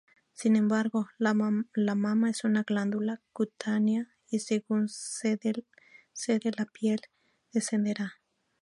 Sin embargo, la mama es una glándula cutánea, y según cede la piel, descenderá.